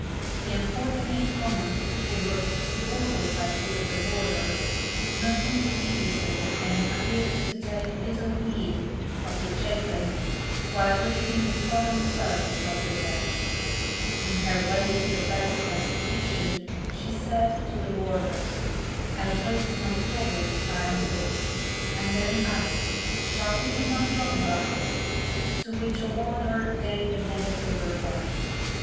The unfortunate woman, who was supported by two of the warders, moaned piteously, and appeared to take little heed of the chaplain, while reading the solemn service of the dead. On her way to the place of execution, she said to the warders, I hope my trubles are ended, and then asked, 'Shall we be much longer?' to which a warder gave a negative reply.